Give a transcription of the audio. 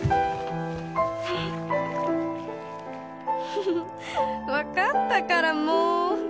フフフっ分かったからもう。